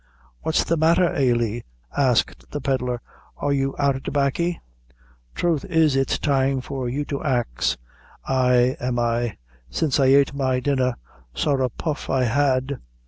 "What's the matther, Ailey?" asked the pedlar; "are you out o' tobaccy?" "Throth it's time for you to ax ay am I; since I ate my dinner, sorra puff I had."